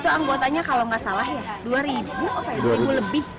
itu anggotanya kalau gak salah ya dua ribu lebih